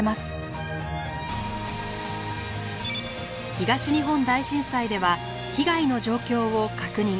東日本大震災では被害の状況を確認。